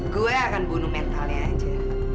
gue akan bunuh mentalnya aja